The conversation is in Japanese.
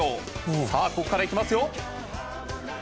さあ、ここからいきます。